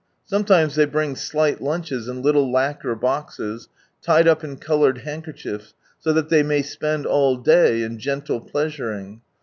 Sometimes they bring slight lunches in little lacquer boxes, tied up in coloured handkerchiefs, so ihat they may spend all day in gentle pleasuring.